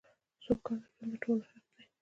سوکاله ژوند دټولو حق دی .